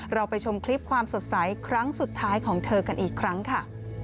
เราไปชมคลิปความสดใสครั้งสุดท้ายของเธอกันอีกครั้งค่ะ